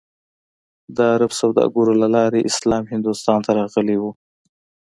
د عرب سوداګرو له لارې اسلام هندوستان ته راغلی و.